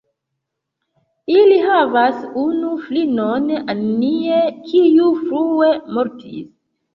Ili havis unu filinon Annie, kiu frue mortis.